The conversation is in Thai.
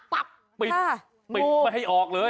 ปิดปิดไม่ให้ออกเลย